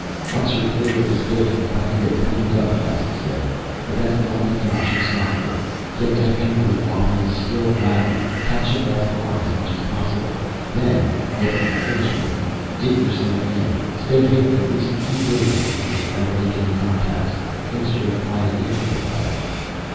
"Once you're clear of this building, you'll have to get cleaned up," Costa said. "But that's the only thing you should stop for. Get to Hengly while he is still rattled, catch him off guard as much as possible. Then after you finish with him dig yourself in. Stay hidden at least three days before you try to make any contacts. Things should have quieted down a bit by then."